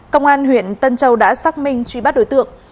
công an huyện tân châu đã xác minh truy bắt đối tượng